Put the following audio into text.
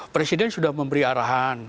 presiden sudah memberi arahan